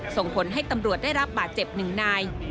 ส่งผลให้ตำรวจได้รับบาดเจ็บหนึ่งนาย